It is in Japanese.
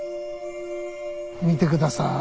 見て下さい。